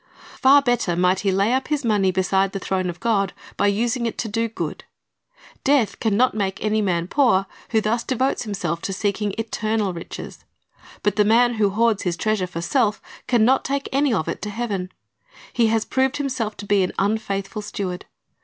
Far better might he lay up his money beside the throne of God, by using it to do good. Death can not make any man poor who thus devotes himself to seeking eternal riches. But the man who hoards his treasure for self can not take any of it to heaven. He has proved himself to be an unfaithful steward.